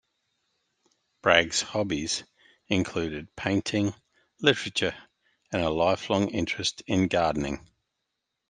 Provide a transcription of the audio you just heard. Bragg's hobbies included painting, literature and a lifelong interest in gardening.